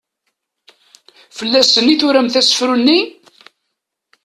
Fell-asen i turamt asefru-nni?